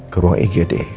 ke ruang igd